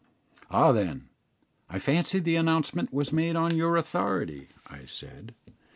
"Ah, then, I fancy the announcement was made on your authority," I said.